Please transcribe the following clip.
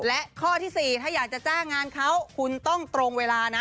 และข้อที่๔ถ้าอยากจะจ้างงานเขาคุณต้องตรงเวลานะ